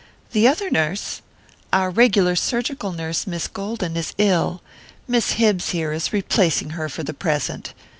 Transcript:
"The other nurse? Our regular surgical nurse, Miss Golden, is ill Miss Hibbs, here, is replacing her for the present."